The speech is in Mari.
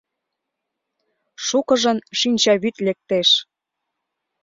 Шукыжын шинчавӱд лектеш.